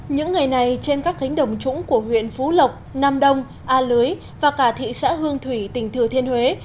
những ngày này trên các cánh đồng trũng của huyện phú lộc nam đông a lưới và cả thị xã hương thủy tỉnh thừa thiên huế